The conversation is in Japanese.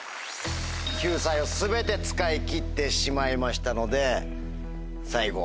救済を全て使い切ってしまいましたので。